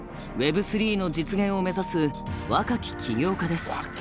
Ｗｅｂ３の実現を目指す若き起業家です。